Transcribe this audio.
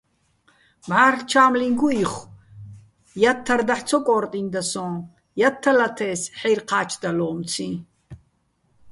მჵარლ' ჩა́მლიჼ გუჸიხო̆, ჲათთარ დაჰ̦ ცო კო́რტინდა სოჼ, ჲათთალათე́ს ჰ̦აჲრი̆ ჴა́ჩდალლომციჼ.